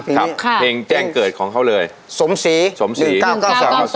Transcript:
เพียงแจ้งเกิดของเขาเลยเมื่อ๔๒๙๙๒